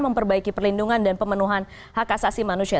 memperbaiki perlindungan dan pemenuhan hak asasi manusia